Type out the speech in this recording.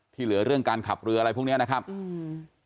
เหลือเรื่องการขับเรืออะไรพวกเนี้ยนะครับอืม